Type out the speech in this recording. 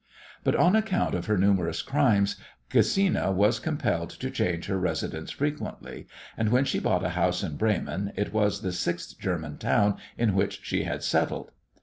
But on account of her numerous crimes Gesina was compelled to change her residence frequently, and when she bought a house in Bremen it was the sixth German town in which she had settled.